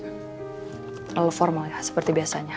terlalu formal ya seperti biasanya